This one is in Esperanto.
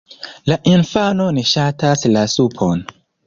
La infano ne ŝatas la supon.